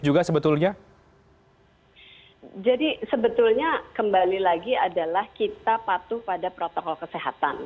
jadi sebetulnya kembali lagi adalah kita patuh pada protokol kesehatan